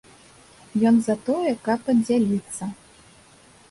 Ён за тое, каб аддзяліцца!